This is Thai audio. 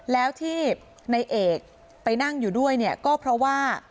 แล้วที่ในเอกไปนั่งอยู่ด้วยเนี่ยก็เพราะว่า